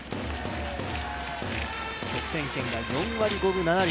得点圏が４割５分７厘。